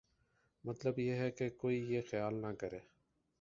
مطلب یہ ہے کہ کوئی یہ خیال نہ کرے